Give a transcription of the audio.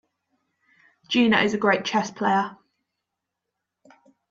Gina is a great chess player.